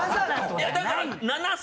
いやだから７：３。